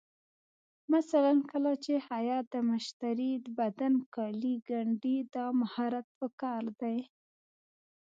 مثلا کله چې خیاط د مشتري د بدن کالي ګنډي، دا مهارت پکار دی.